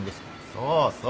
そうそう